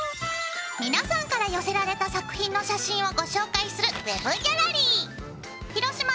皆さんから寄せられた作品の写真をご紹介するＷＥＢギャラリー。